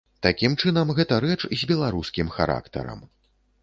Такім чынам, гэта рэч з беларускім характарам.